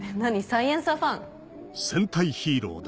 『サイエンサー』ファン？